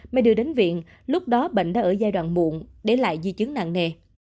mới đưa đến viện lúc đó bệnh đã ở giai đoạn muộn để lại di chứng nặng nề